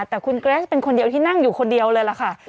แต่คุณเกรสเป็นคนเดียวที่นั่งอยู่คนเดียวเลยล่ะค่ะ